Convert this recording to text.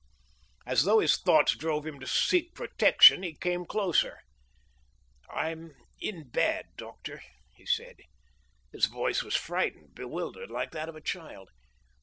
As though his thoughts drove him to seek protection, he came closer. "I'm 'in bad,' doctor," he said. His voice was frightened, bewildered, like that of a child.